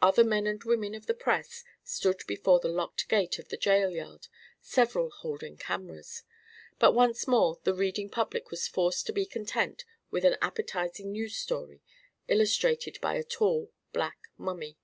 Other men and women of the press stood before the locked gate of the jail yard, several holding cameras. But once more the reading public was forced to be content with an appetising news story illustrated by a tall black mummy.